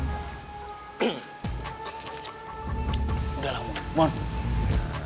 kita pergi aja disini percobaan aja